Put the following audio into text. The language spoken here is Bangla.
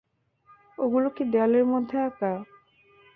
ওগুলো কি দেয়ালের মধ্যে আঁকা?